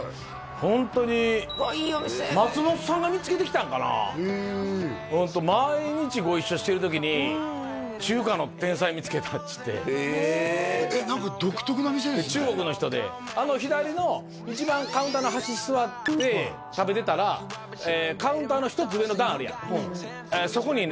ホントに松本さんが見つけてきたんかなへえホント毎日ご一緒してる時に中華の天才見つけたって言って何か独特な店ですね中国の人で左の一番カウンターの端座って食べてたらカウンターの一つ上の段あるやんはいそこにね